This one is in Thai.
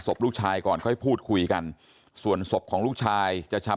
ศพลูกชายก่อนค่อยพูดคุยกันส่วนศพของลูกชายจะชับ